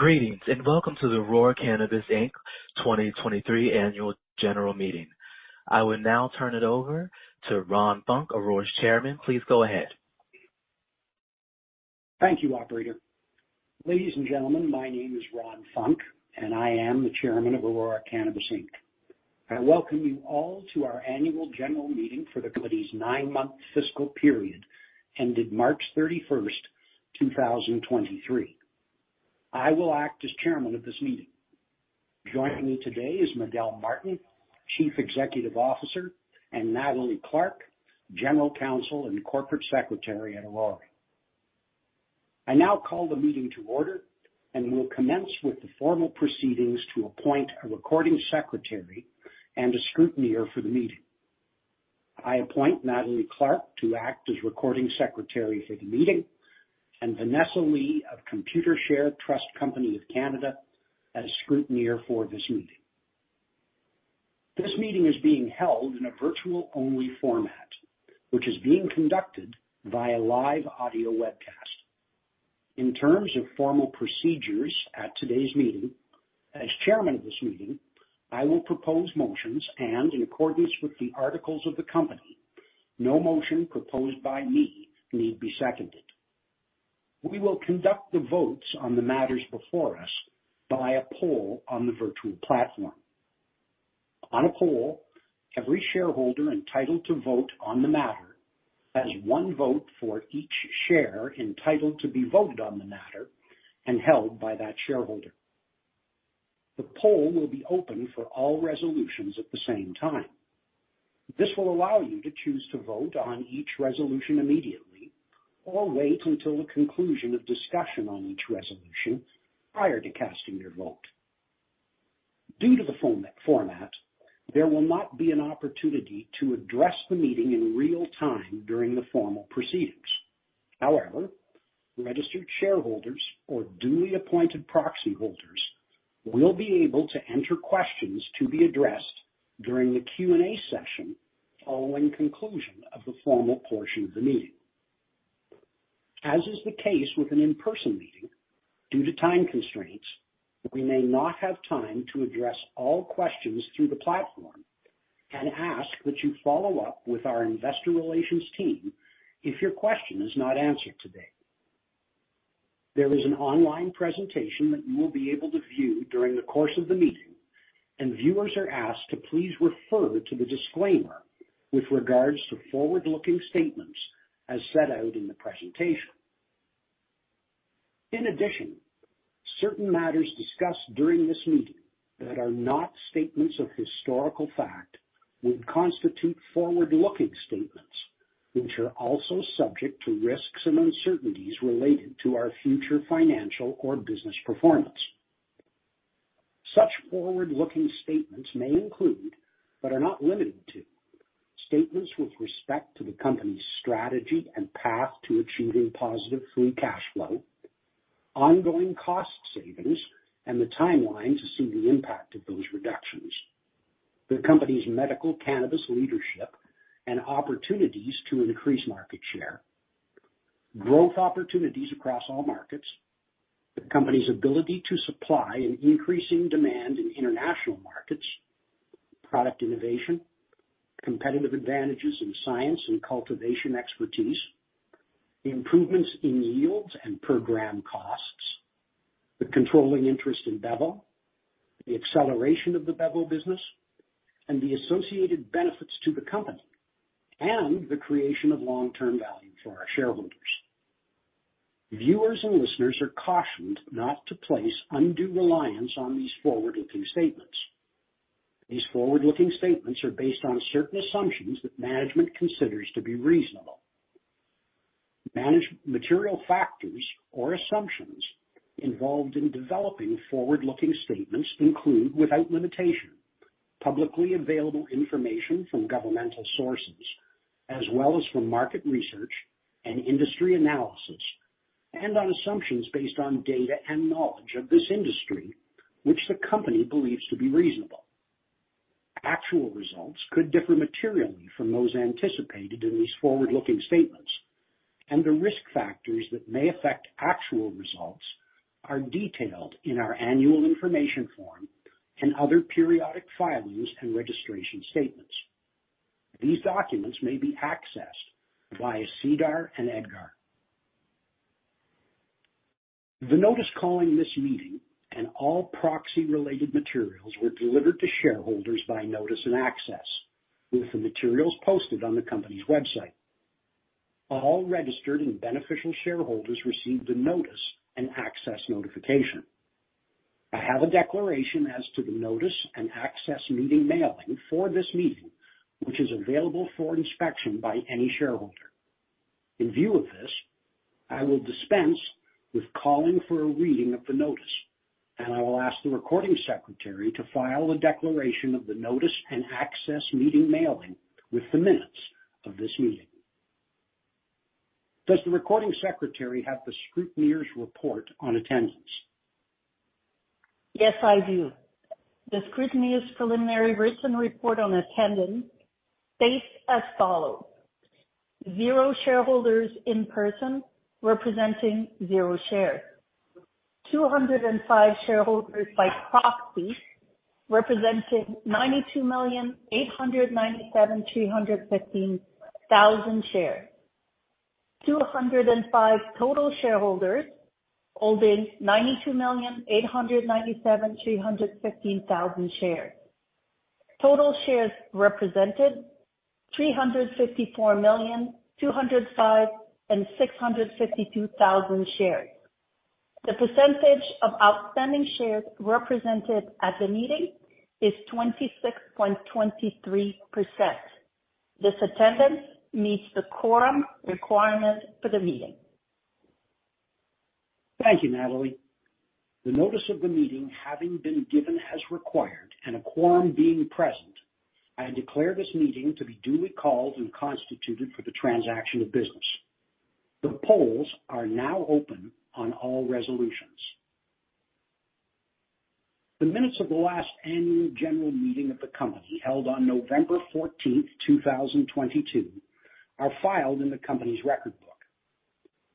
Greetings, and welcome to the Aurora Cannabis Inc. 2023 Annual General Meeting. I will now turn it over to Ron Funk, Aurora's chairman. Please go ahead. Thank you, operator. Ladies and gentlemen, my name is Ron Funk, and I am the Chairman of Aurora Cannabis Inc. I welcome you all to our annual general meeting for the company's 9-month fiscal period, ended March 31st, 2023. I will act as Chairman of this meeting. Joining me today is Miguel Martin, Chief Executive Officer, and Nathalie Clark, General Counsel and Corporate Secretary at Aurora. I now call the meeting to order and will commence with the formal proceedings to appoint a recording secretary and a scrutineer for the meeting. I appoint Nathalie Clark to act as recording secretary for the meeting and Vanessa Lee of Computershare Trust Company of Canada as scrutineer for this meeting. This meeting is being held in a virtual-only format, which is being conducted via live audio webcast. In terms of formal procedures at today's meeting, as chairman of this meeting, I will propose motions, and in accordance with the articles of the company, no motion proposed by me need be seconded. We will conduct the votes on the matters before us by a poll on the virtual platform. On a poll, every shareholder entitled to vote on the matter, has one vote for each share, entitled to be voted on the matter and held by that shareholder. The poll will be open for all resolutions at the same time. This will allow you to choose to vote on each resolution immediately or wait until the conclusion of discussion on each resolution prior to casting your vote. Due to the format, there will not be an opportunity to address the meeting in real time during the formal proceedings. However, registered shareholders or duly appointed proxy holders will be able to enter questions to be addressed during the Q&A session, following conclusion of the formal portion of the meeting. As is the case with an in-person meeting, due to time constraints, we may not have time to address all questions through the platform and ask that you follow up with our investor relations team if your question is not answered today. There is an online presentation that you will be able to view during the course of the meeting. Viewers are asked to please refer to the disclaimer with regards to forward-looking statements as set out in the presentation. In addition, certain matters discussed during this meeting that are not statements of historical fact would constitute forward-looking statements, which are also subject to risks and uncertainties related to our future financial or business performance. Such forward-looking statements may include, but are not limited to, statements with respect to the company's strategy and path to achieving positive free cash flow, ongoing cost savings, and the timeline to see the impact of those reductions. The company's medical cannabis leadership and opportunities to increase market share, growth opportunities across all markets, the company's ability to supply an increasing demand in international markets, product innovation, competitive advantages in science and cultivation expertise, improvements in yields and per gram costs, the controlling interest in Bevo, the acceleration of the Bevo business, and the associated benefits to the company, and the creation of long-term value for our shareholders. Viewers and listeners are cautioned not to place undue reliance on these forward-looking statements. These forward-looking statements are based on certain assumptions that management considers to be reasonable. Material factors or assumptions involved in developing forward-looking statements include, without limitation, publicly available information from governmental sources, as well as from market research and industry analysis, and on assumptions based on data and knowledge of this industry, which the company believes to be reasonable. Actual results could differ materially from those anticipated in these forward-looking statements, and the risk factors that may affect actual results are detailed in our Annual Information Form and other periodic filings and registration statements. These documents may be accessed via SEDAR and EDGAR. The notice calling this meeting and all proxy-related materials were delivered to shareholders by notice-and-access, with the materials posted on the company's website. All registered and beneficial shareholders received a notice-and-access notification. I have a declaration as to the notice-and-access meeting mailing for this meeting, which is available for inspection by any shareholder. In view of this, I will dispense with calling for a reading of the notice, and I will ask the recording secretary to file a declaration of the notice-and-access meeting mailing with the minutes of this meeting. Does the recording secretary have the scrutineer's report on attendance? Yes, I do. The scrutineer's preliminary written report on attendance states as follows: 0 shareholders in person representing 0 shares. 205 shareholders by proxy, representing 92,315,897 shares. 205 total shareholders holding 92,315,897 shares. Total shares represented, 354,652,205 shares. The percentage of outstanding shares represented at the meeting is 26.23%. This attendance meets the quorum requirement for the meeting. Thank you, Nathalie. The notice of the meeting, having been given as required and a quorum being present, I declare this meeting to be duly called and constituted for the transaction of business. The polls are now open on all resolutions. The minutes of the last annual general meeting of the company, held on November 14, 2022, are filed in the company's record book.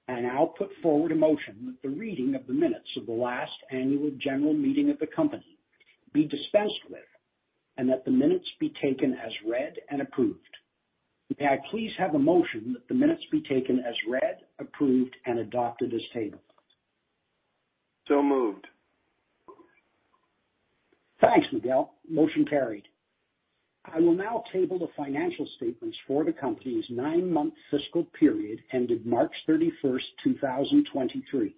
I now put forward a motion that the reading of the minutes of the last annual general meeting of the company be dispensed with, and that the minutes be taken as read and approved. May I please have a motion that the minutes be taken as read, approved, and adopted as tabled? Moved. Thanks, Miguel. Motion carried. I will now table the financial statements for the company's 9-month fiscal period ended March 31st, 2023,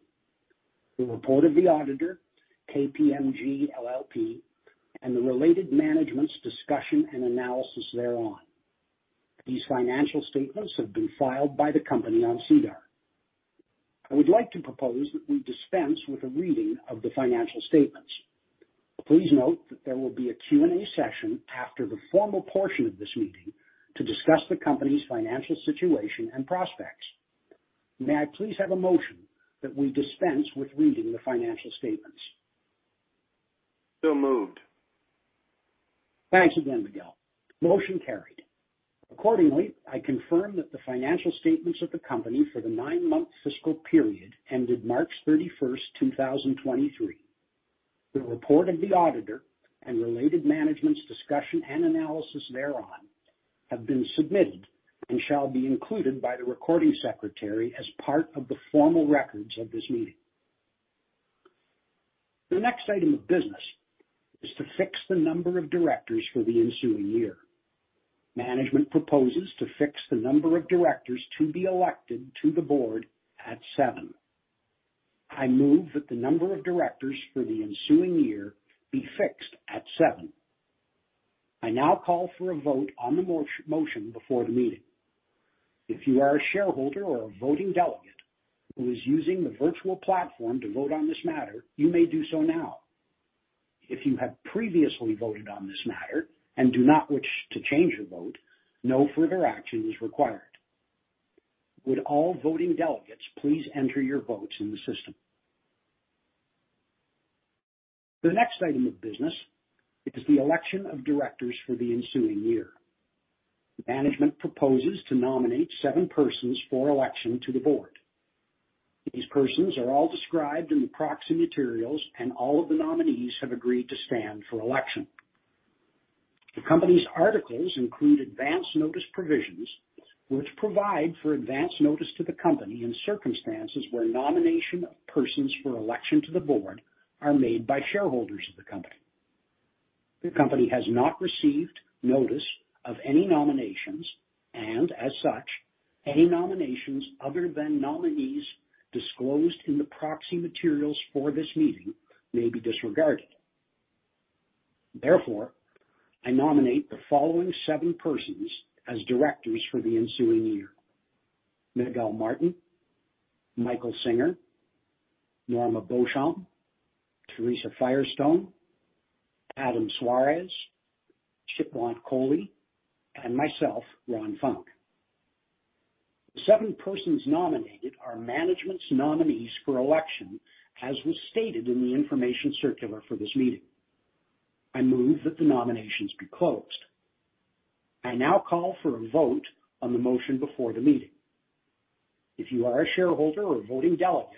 the report of the auditor, KPMG LLP, and the related management's discussion and analysis thereon. These financial statements have been filed by the company on SEDAR. I would like to propose that we dispense with a reading of the financial statements. Please note that there will be a Q&A session after the formal portion of this meeting to discuss the company's financial situation and prospects. May I please have a motion that we dispense with reading the financial statements? Moved. Thanks again, Miguel. Motion carried. Accordingly, I confirm that the financial statements of the company for the 9-month fiscal period ended March 31st, 2023, the report of the auditor and related management's discussion and analysis thereon, have been submitted and shall be included by the recording secretary as part of the formal records of this meeting. The next item of business is to fix the number of directors for the ensuing year. Management proposes to fix the number of directors to be elected to the board at 7. I move that the number of directors for the ensuing year be fixed at 7. I now call for a vote on the motion before the meeting. If you are a shareholder or a voting delegate who is using the virtual platform to vote on this matter, you may do so now. If you have previously voted on this matter and do not wish to change your vote, no further action is required. Would all voting delegates please enter your votes in the system? The next item of business is the election of directors for the ensuing year. Management proposes to nominate seven persons for election to the board. These persons are all described in the proxy materials, and all of the nominees have agreed to stand for election. The company's articles include advance notice provisions, which provide for advance notice to the company in circumstances where nomination of persons for election to the board are made by shareholders of the company. The company has not received notice of any nominations, and as such, any nominations other than nominees disclosed in the proxy materials for this meeting may be disregarded. Therefore, I nominate the following seven persons as directors for the ensuing year: Miguel Martin, Michael Singer, Norma Beauchamp, Theresa Firestone, Adam Szweras, Chitwant Kohli, and myself, Ron Funk. The seven persons nominated are management's nominees for election, as was stated in the information circular for this meeting. I move that the nominations be closed. I now call for a vote on the motion before the meeting. If you are a shareholder or a voting delegate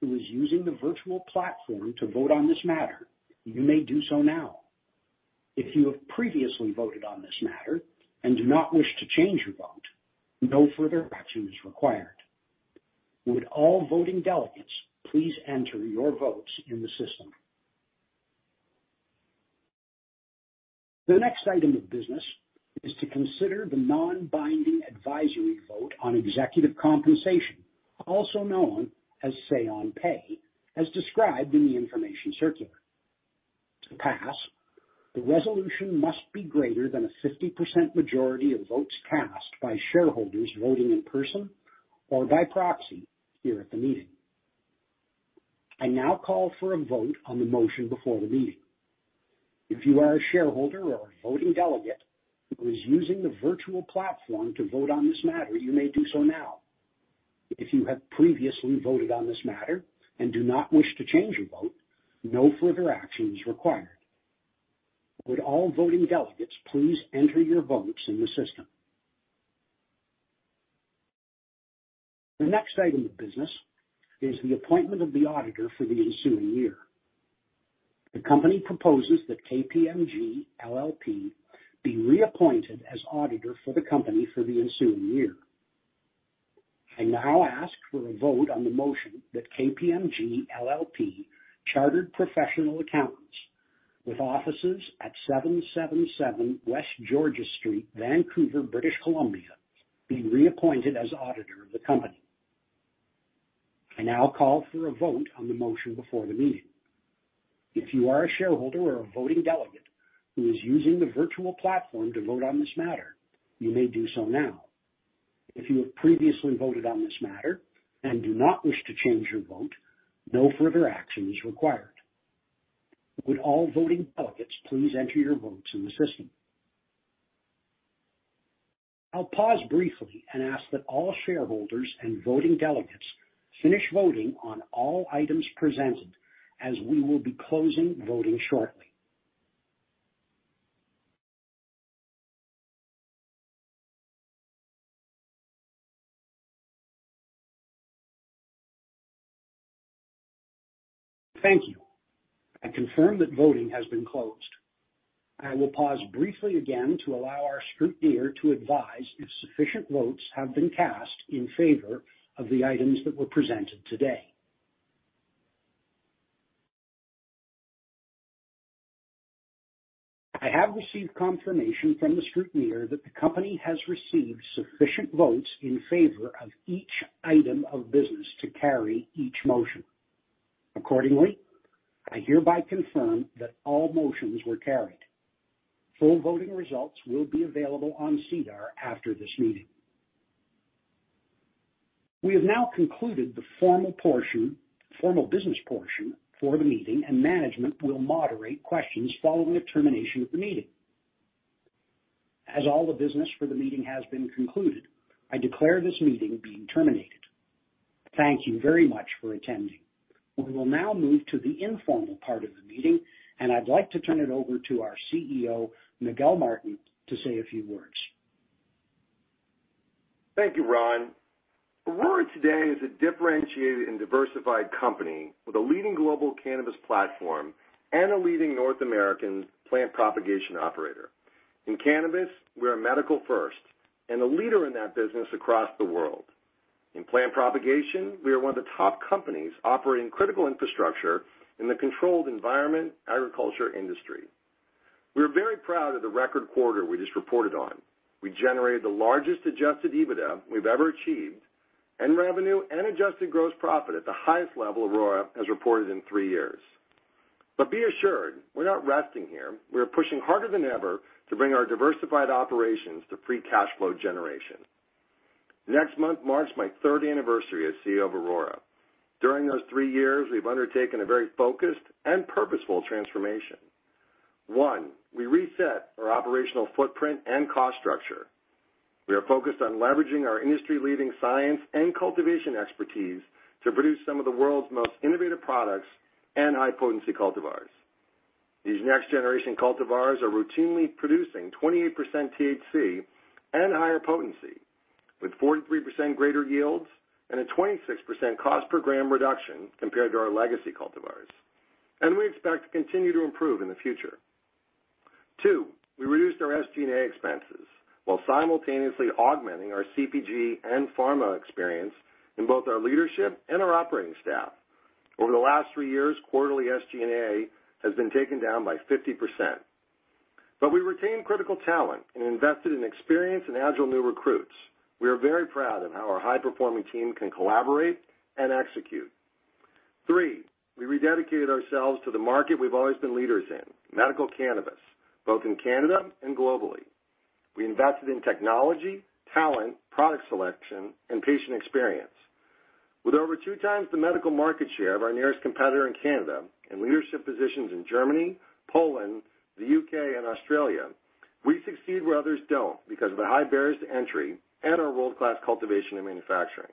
who is using the virtual platform to vote on this matter, you may do so now. If you have previously voted on this matter and do not wish to change your vote, no further action is required. Would all voting delegates please enter your votes in the system? The next item of business is to consider the non-binding advisory vote on executive compensation, also known as say-on-pay, as described in the information circular. To pass, the resolution must be greater than a 50% majority of votes cast by shareholders voting in person or by proxy here at the meeting. I now call for a vote on the motion before the meeting. If you are a shareholder or a voting delegate who is using the virtual platform to vote on this matter, you may do so now. If you have previously voted on this matter and do not wish to change your vote, no further action is required. Would all voting delegates please enter your votes in the system? The next item of business is the appointment of the auditor for the ensuing year. The company proposes that KPMG LLP be reappointed as auditor for the company for the ensuing year. I now ask for a vote on the motion that KPMG LLP, Chartered Professional Accountants, with offices at 777 West Georgia Street, Vancouver, British Columbia, be reappointed as auditor of the company. I now call for a vote on the motion before the meeting. If you are a shareholder or a voting delegate who is using the virtual platform to vote on this matter, you may do so now. If you have previously voted on this matter and do not wish to change your vote, no further action is required. Would all voting delegates please enter your votes in the system? I'll pause briefly and ask that all shareholders and voting delegates finish voting on all items presented, as we will be closing voting shortly. Thank you. I confirm that voting has been closed. I will pause briefly again to allow our scrutineer to advise if sufficient votes have been cast in favor of the items that were presented today. I have received confirmation from the scrutineer that the company has received sufficient votes in favor of each item of business to carry each motion. Accordingly, I hereby confirm that all motions were carried. Full voting results will be available on SEDAR after this meeting. We have now concluded the formal portion, formal business portion for the meeting. Management will moderate questions following the termination of the meeting. As all the business for the meeting has been concluded, I declare this meeting being terminated. Thank you very much for attending. We will now move to the informal part of the meeting, and I'd like to turn it over to our CEO, Miguel Martin, to say a few words. Thank you, Ron. Aurora today is a differentiated and diversified company with a leading global cannabis platform and a leading North American plant propagation operator. In cannabis, we are medical first and a leader in that business across the world. In plant propagation, we are one of the top companies operating critical infrastructure in the controlled environment agriculture industry. We are very proud of the record quarter we just reported on. We generated the largest adjusted EBITDA we've ever achieved, and revenue and adjusted gross profit at the highest level Aurora has reported in three years. Be assured, we're not resting here. We are pushing harder than ever to bring our diversified operations to free cash flow generation. Next month marks my third anniversary as CEO of Aurora. During those three years, we've undertaken a very focused and purposeful transformation. One, we reset our operational footprint and cost structure. We are focused on leveraging our industry-leading science and cultivation expertise to produce some of the world's most innovative products and high-potency cultivars. These next-generation cultivars are routinely producing 28% THC and higher potency, with 43% greater yields and a 26% cost per gram reduction compared to our legacy cultivars, and we expect to continue to improve in the future. 2, we reduced our SG&A expenses while simultaneously augmenting our CPG and pharma experience in both our leadership and our operating staff. Over the last 3 years, quarterly SG&A has been taken down by 50%, but we retained critical talent and invested in experienced and agile new recruits. We are very proud of how our high-performing team can collaborate and execute. 3, we rededicated ourselves to the market we've always been leaders in, medical cannabis, both in Canada and globally. We invested in technology, talent, product selection, and patient experience. With over 2 times the medical market share of our nearest competitor in Canada and leadership positions in Germany, Poland, the U.K., and Australia, we succeed where others don't because of the high barriers to entry and our world-class cultivation and manufacturing.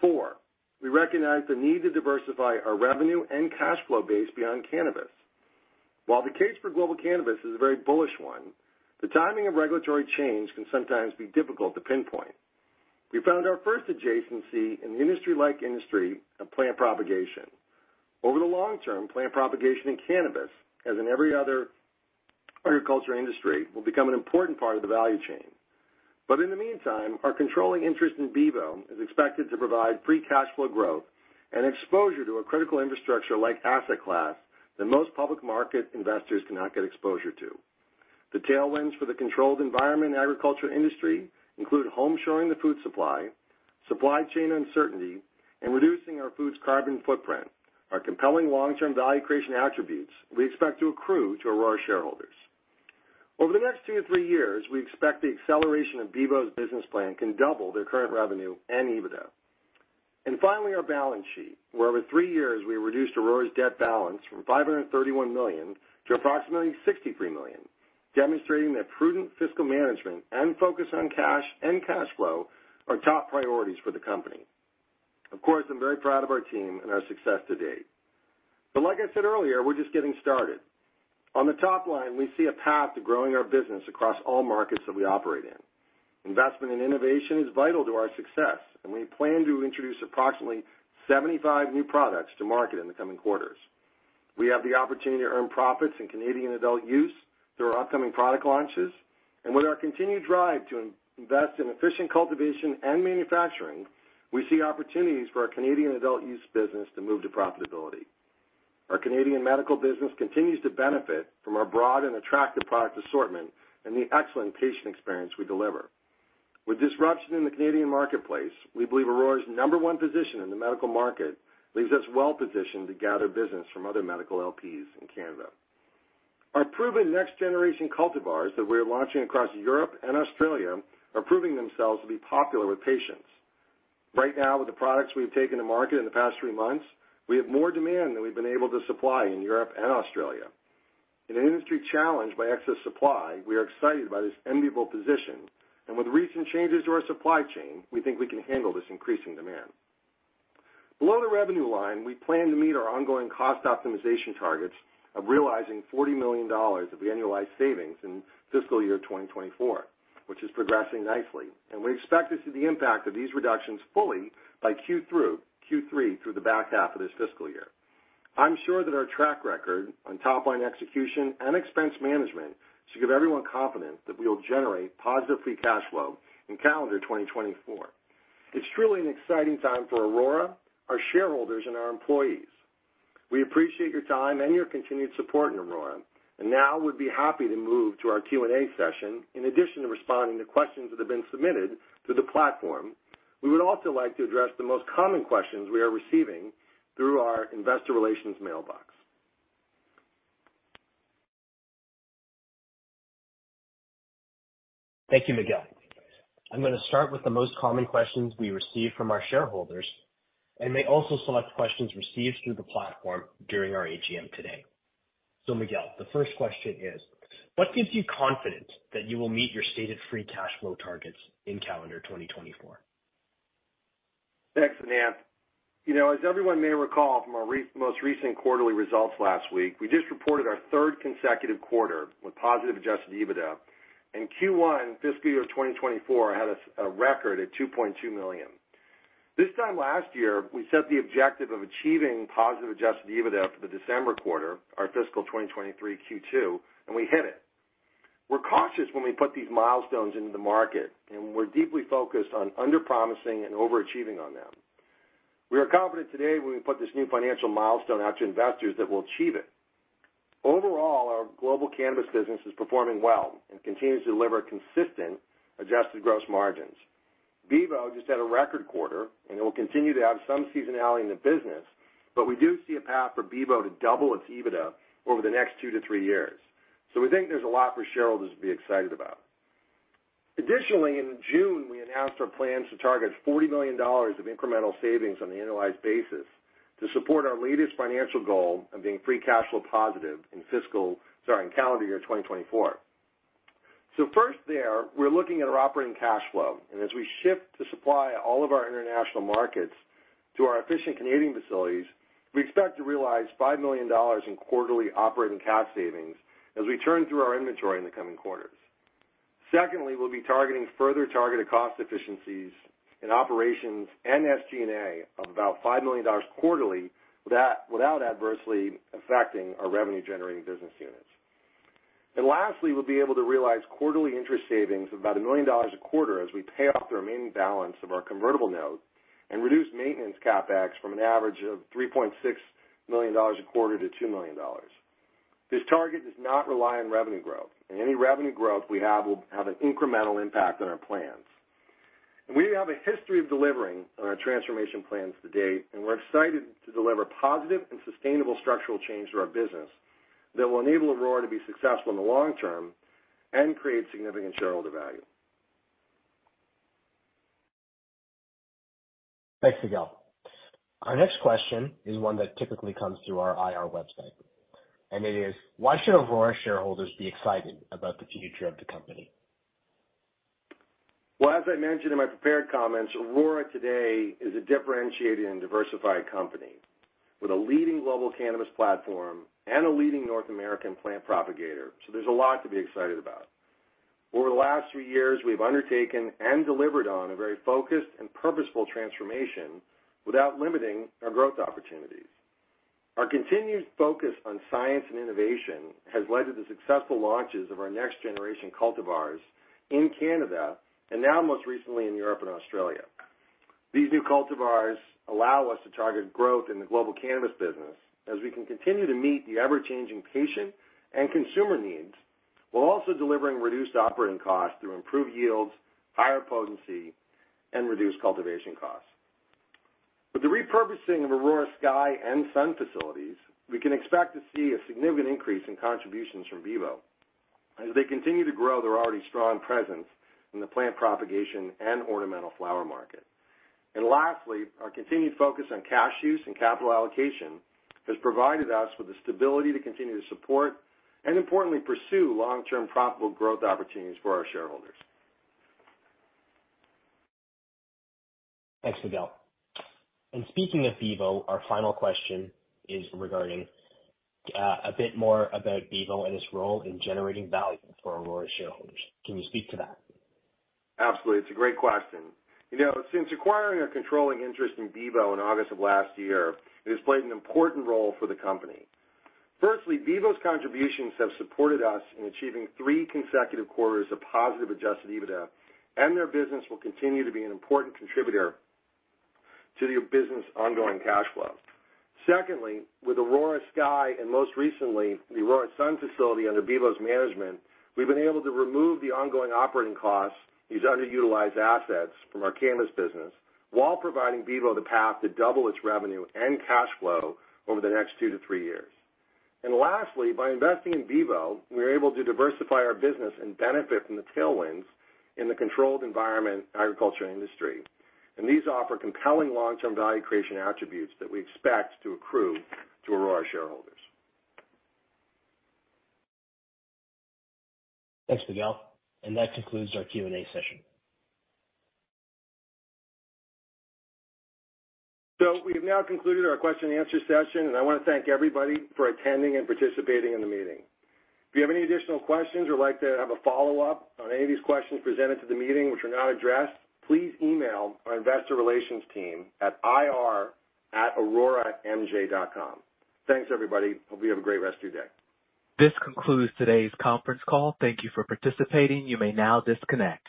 4, we recognize the need to diversify our revenue and cash flow base beyond cannabis. While the case for global cannabis is a very bullish one, the timing of regulatory change can sometimes be difficult to pinpoint. We found our first adjacency in the industry-like industry of plant propagation. Over the long term, plant propagation in cannabis, as in every other agriculture industry, will become an important part of the value chain. In the meantime, our controlling interest in Bevo is expected to provide free cash flow growth and exposure to a critical infrastructure like asset class that most public market investors cannot get exposure to. The tailwinds for the controlled environment agriculture industry include home shoring the food supply, supply chain uncertainty, and reducing our food's carbon footprint, are compelling long-term value creation attributes we expect to accrue to Aurora shareholders. Over the next two to three years, we expect the acceleration of Bevo's business plan can double their current revenue and EBITDA. Finally, our balance sheet, where over 3 years we reduced Aurora's debt balance from 531 million to approximately 63 million, demonstrating that prudent fiscal management and focus on cash and cash flow are top priorities for the company. Of course, I'm very proud of our team and our success to date. Like I said earlier, we're just getting started. On the top line, we see a path to growing our business across all markets that we operate in. Investment in innovation is vital to our success, and we plan to introduce approximately 75 new products to market in the coming quarters. We have the opportunity to earn profits in Canadian adult use through our upcoming product launches, and with our continued drive to invest in efficient cultivation and manufacturing, we see opportunities for our Canadian adult use business to move to profitability. Our Canadian medical business continues to benefit from our broad and attractive product assortment and the excellent patient experience we deliver. With disruption in the Canadian marketplace, we believe Aurora's number 1 position in the medical market leaves us well-positioned to gather business from other medical LPs in Canada. Our proven next-generation cultivars that we're launching across Europe and Australia are proving themselves to be popular with patients. Right now, with the products we've taken to market in the past three months, we have more demand than we've been able to supply in Europe and Australia. In an industry challenged by excess supply, we are excited by this enviable position, and with recent changes to our supply chain, we think we can handle this increasing demand. Below the revenue line, we plan to meet our ongoing cost optimization targets of realizing $40 million of annualized savings in fiscal year 2024, which is progressing nicely, and we expect to see the impact of these reductions fully by Q3 through the back half of this fiscal year. I'm sure that our track record on top-line execution and expense management should give everyone confidence that we will generate positive free cash flow in calendar 2024. It's truly an exciting time for Aurora, our shareholders, and our employees. We appreciate your time and your continued support in Aurora. Now we'd be happy to move to our Q&A session. In addition to responding to questions that have been submitted through the platform, we would also like to address the most common questions we are receiving through our investor relations mailbox. Thank you, Miguel. I'm gonna start with the most common questions we receive from our shareholders, and may also select questions received through the platform during our AGM today. Miguel, the first question is: what gives you confidence that you will meet your stated free cash flow targets in calendar 2024? Thanks, Ananth. You know, as everyone may recall from our most recent quarterly results last week, we just reported our third consecutive quarter with positive adjusted EBITDA, and Q1, fiscal year 2024, had a record at 2.2 million. This time last year, we set the objective of achieving positive adjusted EBITDA for the December quarter, our fiscal 2023 Q2, and we hit it. We're cautious when we put these milestones into the market, and we're deeply focused on under-promising and overachieving on them. We are confident today when we put this new financial milestone out to investors that we'll achieve it. Overall, our global cannabis business is performing well and continues to deliver consistent adjusted gross margins. Bevo just had a record quarter, it will continue to have some seasonality in the business, but we do see a path for Bevo to double its EBITDA over the next two to three years. We think there's a lot for shareholders to be excited about. Additionally, in June, we announced our plans to target 40 million dollars of incremental savings on an annualized basis to support our latest financial goal of being free cash flow positive in fiscal, sorry, in calendar year 2024. First there, we're looking at our operating cash flow, and as we shift the supply of all of our international markets to our efficient Canadian facilities, we expect to realize 5 million dollars in quarterly operating cash savings as we turn through our inventory in the coming quarters. Secondly, we'll be targeting further targeted cost efficiencies in operations and SG&A of about 5 million dollars quarterly, that, without adversely affecting our revenue-generating business units. Lastly, we'll be able to realize quarterly interest savings of about 1 million dollars a quarter as we pay off the remaining balance of our convertible note and reduce maintenance CapEx from an average of 3.6 million dollars a quarter to 2 million dollars. This target does not rely on revenue growth, any revenue growth we have will have an incremental impact on our plans. We have a history of delivering on our transformation plans to date, and we're excited to deliver positive and sustainable structural change to our business that will enable Aurora to be successful in the long term and create significant shareholder value. Thanks, Miguel. Our next question is one that typically comes through our IR website, and it is: Why should Aurora shareholders be excited about the future of the company? Well, as I mentioned in my prepared comments, Aurora today is a differentiated and diversified company with a leading global cannabis platform and a leading North American plant propagator, so there's a lot to be excited about. Over the last three years, we've undertaken and delivered on a very focused and purposeful transformation without limiting our growth opportunities. Our continued focus on science and innovation has led to the successful launches of our next-generation cultivars in Canada and now most recently in Europe and Australia. These new cultivars allow us to target growth in the global cannabis business as we can continue to meet the ever-changing patient and consumer needs, while also delivering reduced operating costs through improved yields, higher potency, and reduced cultivation costs. With the repurposing of Aurora Sky and Sun facilities, we can expect to see a significant increase in contributions from Bevo as they continue to grow their already strong presence in the plant propagation and ornamental flower market. Lastly, our continued focus on cash use and capital allocation has provided us with the stability to continue to support, and importantly, pursue long-term profitable growth opportunities for our shareholders. Thanks, Miguel. Speaking of Bevo, our final question is regarding, a bit more about Bevo and its role in generating value for Aurora shareholders. Can you speak to that? Absolutely. It's a great question. You know, since acquiring a controlling interest in Bevo in August of last year, it has played an important role for the company. Firstly, Bevo's contributions have supported us in achieving three consecutive quarters of positive adjusted EBITDA, and their business will continue to be an important contributor to the business' ongoing cash flow. Secondly, with Aurora Sky and most recently, the Aurora Sun facility under Bevo's management, we've been able to remove the ongoing operating costs, these underutilized assets from our cannabis business, while providing Bevo the path to double its revenue and cash flow over the next two to three years. Lastly, by investing in Bevo, we are able to diversify our business and benefit from the tailwinds in the controlled environment agriculture industry. These offer compelling long-term value creation attributes that we expect to accrue to Aurora shareholders. Thanks, Miguel, and that concludes our Q&A session. We have now concluded our question and answer session, and I want to thank everybody for attending and participating in the meeting. If you have any additional questions or would like to have a follow up on any of these questions presented to the meeting which are not addressed, please email our investor relations team at ir@auroramj.com. Thanks, everybody. Hope you have a great rest of your day. This concludes today's conference call. Thank you for participating. You may now disconnect.